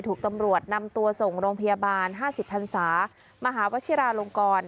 ถูกตำรวจนำตัวส่งโรงพยาบาล๕๐พันศามหาวชิราลงกร